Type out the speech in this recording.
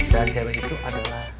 dan cewek itu adalah